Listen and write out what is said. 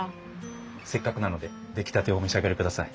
せっかくなので出来たてをお召し上がりください。